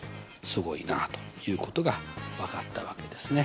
すごいなということが分かったわけですね。